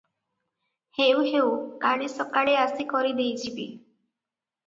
ହେଉ ହେଉ, କାଲି ସକାଳେ ଆସି କରି ଦେଇଯିବି ।"